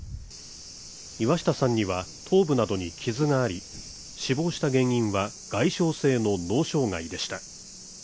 岩下さんには頭部などに傷があり、死亡した原因は外傷性の脳障害でした。